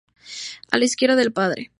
A la izquierda del padre".